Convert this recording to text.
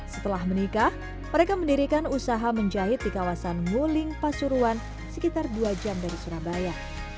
setelah menikah mereka mendirikan usaha menjahit di kawasan nguling pasuruan sekitar dua jam dari surabaya